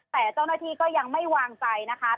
แต่เจ้าหน้าที่ก็ยังไม่วางใจนะคะ